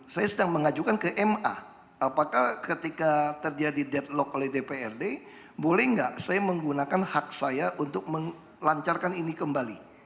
saya sedang mengajukan ke ma apakah ketika terjadi deadlock oleh dprd boleh nggak saya menggunakan hak saya untuk melancarkan ini kembali